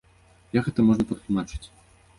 Як гэта можна патлумачыць?